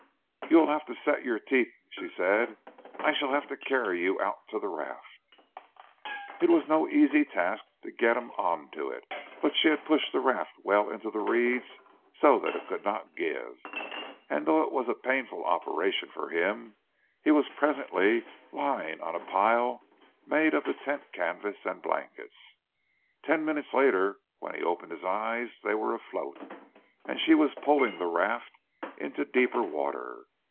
"You will have to set your teeth," she said, "I shall have to carry you out to the raft." It was no easy task to get him on to it, but she had pushed the raft well in the reeds so that it could not give, and though it was a painful operation for him, he was presently lying on a pile made of the tent canvas and blankets. Ten minutes later when he opened his eyes, they were afloat, and she was poling the raft into deeper water.